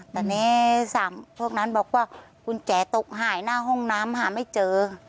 แต่นี่๓พวกนั้นบอกว่ากุญแจตกหายหน้าห้องน้ำหาไม่เจอ